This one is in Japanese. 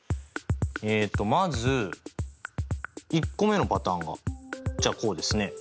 えっとまず１個目のパターンがじゃあこうですね。